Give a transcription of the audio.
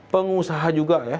pengusaha juga ya